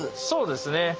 そうですね。